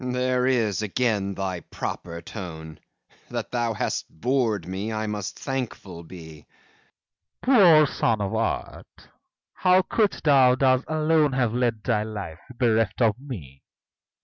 FAUST There is, again, thy proper tone! That thou hast bored me, I must thankful be! MEPHISTOPHELES Poor Son of Earth, how couldst thou thus alone Have led thy life, bereft of me?